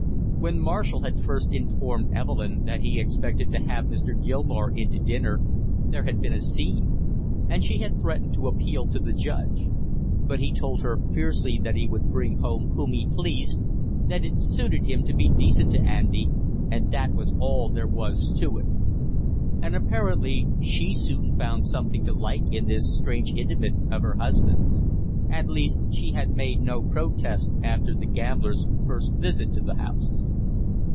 When Marshall had first informed Evelyn that he expected to have Mr. Gilmore in to dinner, there had been a scene, and she had threatened to appeal to the judge; but he told her fiercely that he would bring home whom he pleased, that it suited him to be decent to Andy and that was all there was to it. And apparently she soon found something to like in this strange intimate of her husband's; at least she had made no protest after the gambler's first visit to the house.